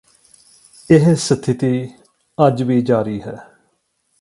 ਇਹ ਸਥਿਤੀ ਅੱਜ ਵੀ ਜਾਰੀ ਹੈ